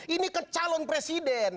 ini kecalon presiden